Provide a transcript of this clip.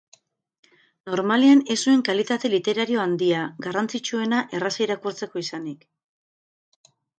Normalean ez zuen kalitate literario handia, garrantzitsuena erraza irakurtzeko izanik.